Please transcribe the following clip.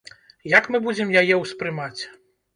Як мы будзем яе ўспрымаць?